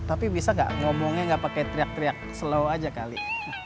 tapi bisa nggak ngomongnya nggak pakai teriak teriak slow aja kali